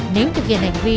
nếu thực hiện hành vi